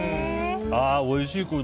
ああ、おいしい。